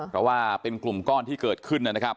เพราะว่าเป็นกลุ่มก้อนที่เกิดขึ้นนะครับ